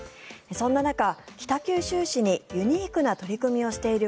そんな中、北九州市にユニークな取り組みをしている